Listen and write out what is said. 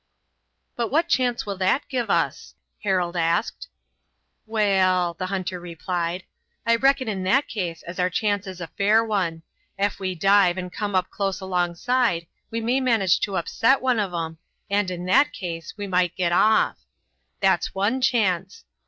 "But what chance will that give us?" Harold asked. "Waal," the hunter replied, "I reckon in that case as our chance is a fair one. Ef we dive and come up close alongside we may manage to upset one of 'em, and, in that case, we might get off. That's one chance.